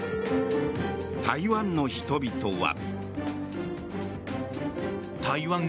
台湾の人々は。